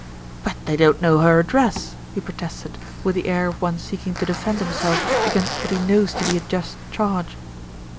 "But they don't know her address," he protested, with the air of one seeking to defend himself against what he knows to be a just charge.